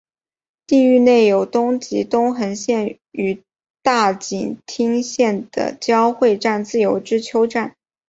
地域内有东急东横线与大井町线的交会站自由之丘站。